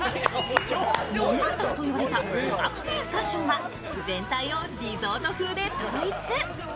問題作と言われた苦学生ファッションは全体をリゾート風に統一。